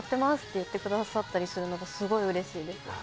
言ってくださったりするのがすごいうれしいです。